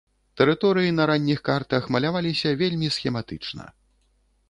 Тэрыторыі на ранніх картах маляваліся вельмі схематычна.